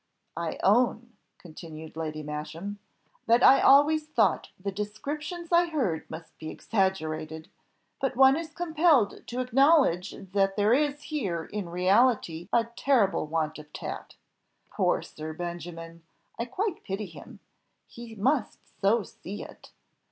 "I own," continued Lady Masham, "that I always thought the descriptions I heard must be exaggerated; but one is compelled to acknowledge that there is here in reality a terrible want of tact. Poor Sir Benjamin! I quite pity him, he must so see it!